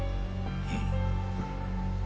うん。